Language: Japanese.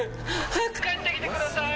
早く帰ってきてください！